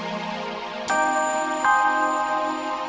kebetulan kalau begitu